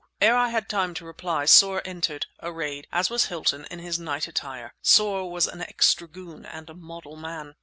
Ere I had time to reply Soar entered, arrayed, as was Hilton, in his night attire. Soar was an ex dragoon and a model man.